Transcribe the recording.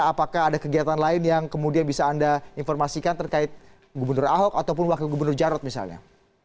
apakah ada kegiatan lain yang kemudian bisa anda informasikan terkait gubernur ahok ataupun wakil gubernur jarot misalnya